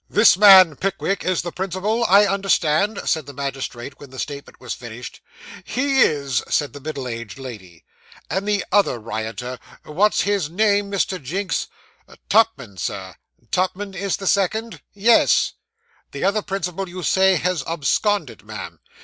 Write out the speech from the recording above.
'This man, Pickwick, is the principal, I understand?' said the magistrate, when the statement was finished. 'He is,' said the middle aged lady. 'And the other rioter what's his name, Mr. Jinks?' 'Tupman, Sir.' Tupman is the second?' 'Yes.' 'The other principal, you say, has absconded, ma'am?